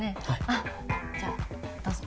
あっじゃあどうぞ。